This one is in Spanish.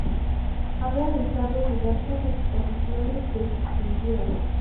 Ha realizado diversas exposiciones de sus pinturas.